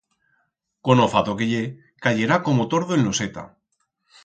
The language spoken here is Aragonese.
Con o fato que ye, cayerá como tordo en loseta.